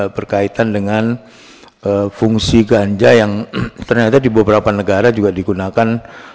berkaitan dengan fungsi ganja yang ternyata di beberapa negara juga digunakan